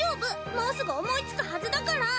もうすぐ思いつくはずだから！